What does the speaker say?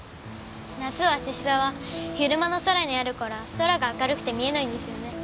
夏は獅子座は昼間の空にあるから空が明るくて見えないんですよね。